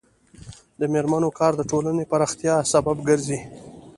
د میرمنو کار د ټولنې پراختیا سبب ګرځي.